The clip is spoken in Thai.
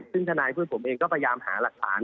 ซึ่งทนายเพื่อนผมเองก็พยายามหาหลักฐาน